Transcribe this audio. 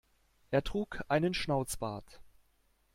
Er trug einen Schnauzbart.